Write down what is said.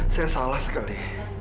saya salah sekali